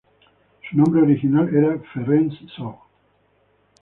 Su nombre original era Ferenc Sohn.